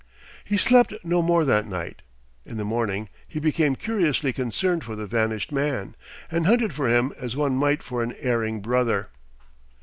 He slept no more that night. In the morning he became curiously concerned for the vanished man, and hunted for him as one might for an erring brother.